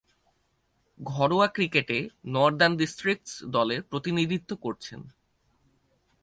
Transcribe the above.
ঘরোয়া ক্রিকেটে Northern Districts দলে প্রতিনিধিত্ব করছেন।